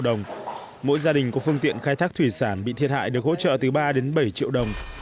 mỗi gia đình có phương tiện khai thác thủy sản bị thiệt hại được hỗ trợ từ ba đến bảy triệu đồng